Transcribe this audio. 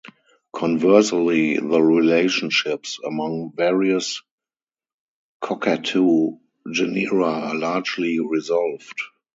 Conversely, the relationships among various cockatoo genera are largely resolved.